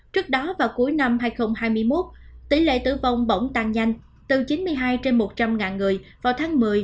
trước đó vào cuối năm hai nghìn hai mươi một tỷ lệ tử vong bỏng tăng nhanh từ chín mươi hai trên một trăm linh người vào tháng một mươi